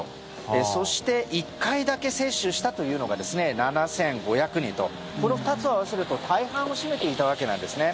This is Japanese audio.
そして、１回だけ接種したというのが７５００人とこの２つを合わせると大半を占めていたわけですね。